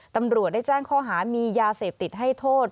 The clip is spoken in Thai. ตำรวจได้แจ้งข้อหามียาเสพติดให้โทษ